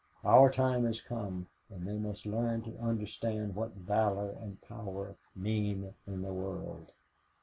Our time has come and they must learn to understand what valor and power mean in the world."